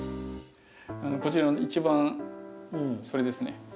こちらの一番それですね。